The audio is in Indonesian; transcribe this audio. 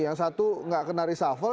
yang satu nggak kena reshuffle